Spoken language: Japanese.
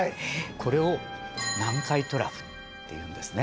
これを南海トラフっていうんですね。